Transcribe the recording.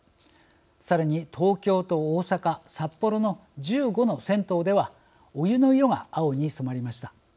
さらに東京と大阪、札幌の１５の銭湯ではお湯の色が青に染まりました。